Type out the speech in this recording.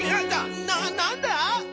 ななんだ！？